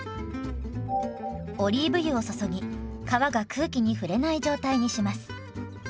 オリーブ油を注ぎ皮が空気に触れない状態にします。